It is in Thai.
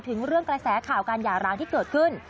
ถึงเรื่องกระแสข่าวการหย่าร้างที่เกิดขึ้น